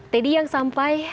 teddy yang sampai